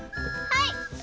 はい。